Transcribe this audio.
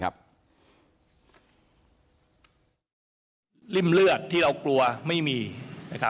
ริ่มเลือดที่เรากลัวไม่มี